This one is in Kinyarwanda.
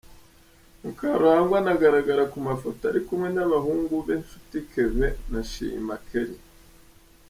Mukarurangwa anagaragara ku mafoto ari kumwe n’abahungu be Nshuti Kevin na Shima Kelly.